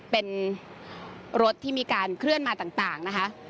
เป็นรถที่มีการเคลื่อนมาต่างนะคะ